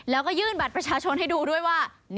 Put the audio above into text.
แล้วก็ยื่นบัตรประชาชนให้ดูด้วยว่า